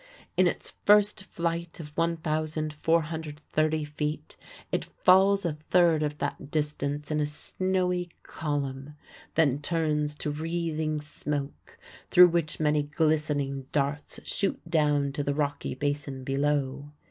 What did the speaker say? In its first flight of 1,430 feet it falls a third of that distance in a snowy column, then turns to wreathing smoke, through which many glistening darts shoot down to the rocky basin below.